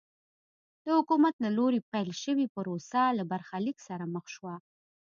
د حکومت له لوري پیل شوې پروسه له برخلیک سره مخ شوه.